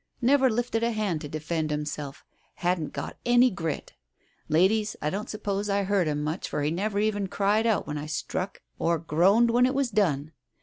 Never lifted a hand to defend himself — hadn't got any grit. Ladies, I don't suppose I hurt him much, for he never even cried out when I struck or groaned when it was done.